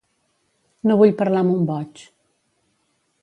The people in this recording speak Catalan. No vull parlar amb un boig.